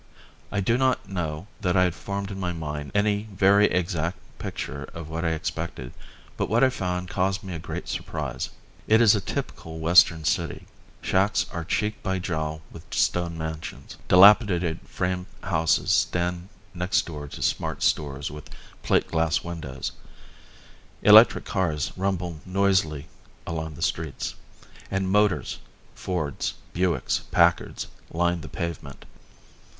I do not know that I had formed in my mind any very exact picture of what I expected, but what I found caused me a great surprise. It is a typical western city. Shacks are cheek by jowl with stone mansions; dilapidated frame houses stand next door to smart stores with plate glass windows; electric cars rumble noisily along the streets; and motors, Fords, Buicks, Packards, line the pavement.